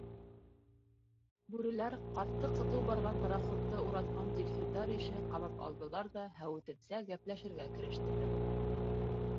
Бүреләр ҡартты ҡыҙыу барған пароходты уратҡан дельфиндар ише ҡамап алдылар ҙа һәүетемсә гәпләшергә керештеләр.